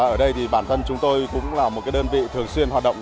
ở đây thì bản thân chúng tôi cũng là một đơn vị thường xuyên hoạt động